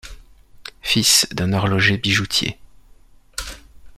Fils d'un horloger-bijoutier.